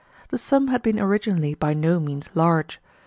The sum had been originally by no means large.